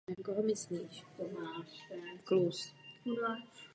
O čtyři roky později v Mexiku obsadila deváté místo.